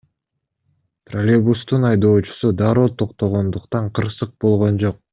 Троллейбустун айдоочусу дароо токтогондуктан кырсык болгон жок.